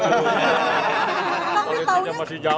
kalo ini masih jauh